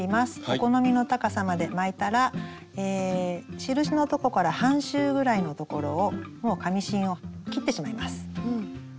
お好みの高さまで巻いたら印のとこから半周ぐらいのところをもう紙芯を切ってしまいます。